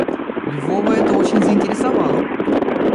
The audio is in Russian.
Львова это очень заинтересовало.